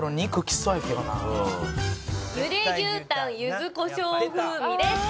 茹で牛タン柚子胡椒風味です！